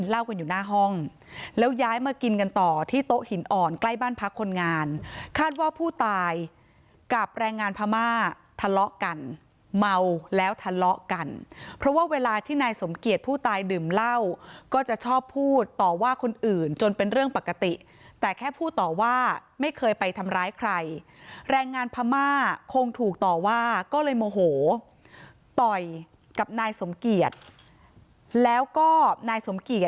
เหล้ากันอยู่หน้าห้องแล้วย้ายมากินกันต่อที่โต๊ะหินอ่อนใกล้บ้านพักคนงานคาดว่าผู้ตายกับแรงงานพม่าทะเลาะกันเมาแล้วทะเลาะกันเพราะว่าเวลาที่นายสมเกียจผู้ตายดื่มเหล้าก็จะชอบพูดต่อว่าคนอื่นจนเป็นเรื่องปกติแต่แค่พูดต่อว่าไม่เคยไปทำร้ายใครแรงงานพม่าคงถูกต่อว่าก็เลยโมโหต่อยกับนายสมเกียจแล้วก็นายสมเกียจ